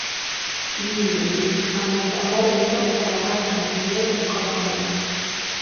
Gli ibridi hanno un collare nero o la parte anteriore del corpo nera.